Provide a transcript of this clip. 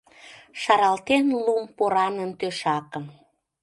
Шаралтен лум поранын тӧшакым.